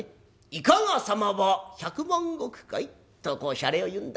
『いかがさまは百万石かい』とこうシャレを言うんだ。